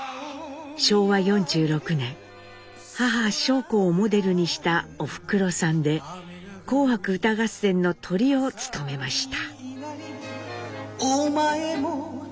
昭和４６年母尚子をモデルにした「おふくろさん」で「紅白歌合戦」のトリを務めました。